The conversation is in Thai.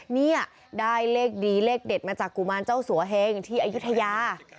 เนี่ยได้เลขดีเลขเด็ดมาจากกุมารเจ้าสัวเฮงที่อายุทยา